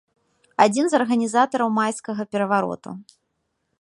Адзін з арганізатараў майскага перавароту.